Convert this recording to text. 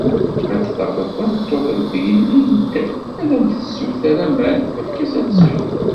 Ad tafeḍ tameṭṭut d tigellilt, ad am-id-tsuter aman, efk-as ad tsew.